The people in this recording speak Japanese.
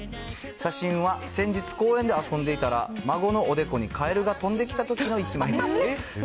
写真は先日、公園で遊んでいたら、孫のおでこにカエルが飛んできたときの１枚です。